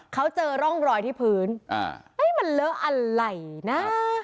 เขาเจอร่องรอยที่พื้นมันเลอะอะไรนะ